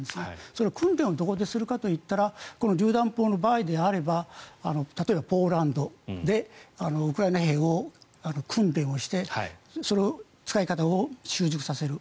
その訓練をどこでするかといったらりゅう弾砲の場合であれば例えばポーランドでウクライナ兵を訓練して使い方を習熟させる。